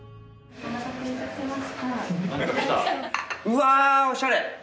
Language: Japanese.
うわーおしゃれ！